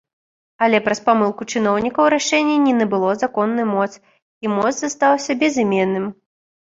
Але праз памылку чыноўнікаў рашэнне не набыло законны моц, і мост застаўся безыменным.